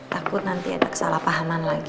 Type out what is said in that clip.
takut nanti ada kesalahpahaman lagi